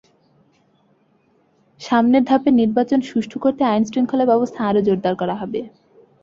সামনের ধাপের নির্বাচন সুষ্ঠু করতে আইনশৃঙ্খলা ব্যবস্থা আরও জোরদার করা হবে।